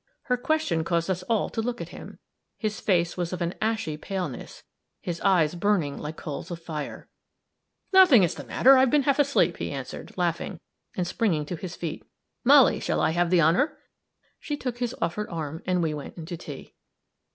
Her question caused us all to look at him; his face was of an ashy paleness; his eyes burning like coals of fire. "Nothing is the matter! I've been half asleep," he answered, laughing, and springing to his feet. "Molly, shall I have the honor?" she took his offered arm, and we went in to tea.